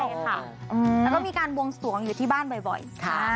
ใช่ค่ะแล้วก็มีการบวงสวงอยู่ที่บ้านบ่อย